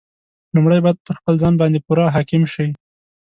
لومړی باید پر خپل ځان باندې پوره حاکم شي.